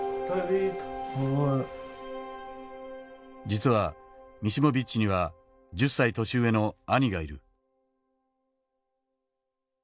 実はミシモビッチには１０歳年上の兄がいる。